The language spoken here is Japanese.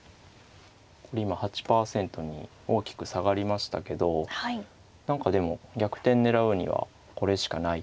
今８％に大きく下がりましたけど何かでも逆転狙うにはこれしかないっていう手で。